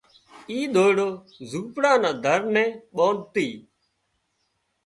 اي ۮوئيڙو زونپڙا نا در نين ٻانڌتي